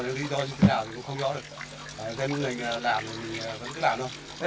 nếu đi chơi như thế nào thì cũng không rõ được về nước mình làm thì mình vẫn cứ làm thôi